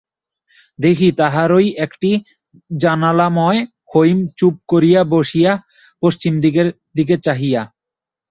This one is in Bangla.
দেখি তাহারই একটি জানলায় হৈম চুপ করিয়া বসিয়া পশ্চিমের দিকে চাহিয়া।